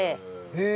へえ！